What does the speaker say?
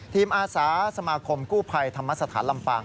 อาสาสมาคมกู้ภัยธรรมสถานลำปาง